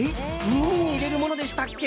耳に入れるものでしたっけ？